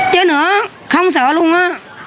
chứ nữa không sợ luôn á